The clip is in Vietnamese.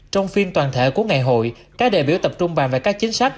trong phiên toàn thể của ngày hội các đại biểu tập trung bàn về các chính sách